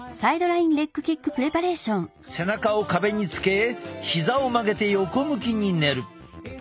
背中を壁につけ膝を曲げて横向きに寝る。